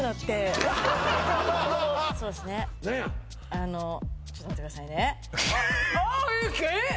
あのちょっと待ってくださいねあーっえっ！？